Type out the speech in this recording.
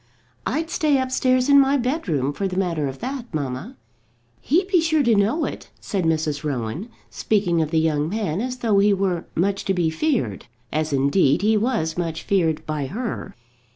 "I'd stay upstairs in my bedroom, for the matter of that, mamma." "He'd be sure to know it," said Mrs. Rowan, speaking of the young man as though he were much to be feared; as indeed he was much feared by her.